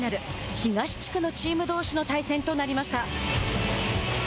東地区のチームどうしの対戦となりました。